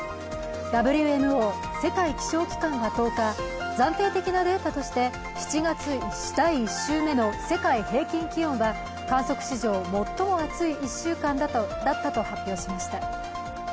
ＷＭＯ＝世界気象機関は１０日、暫定的なデータとして７月第１週目の世界平均気温は観測史上最も暑い１週間だったと発表しました。